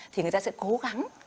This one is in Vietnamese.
thì người ta sẽ cố gắng